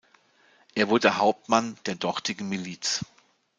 Er wurde Hauptmann der dortigen Miliz.